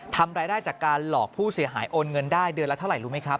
ทำรายได้จากการหลอกผู้เสียหายโอนเงินได้เดือนละเท่าไหร่รู้ไหมครับ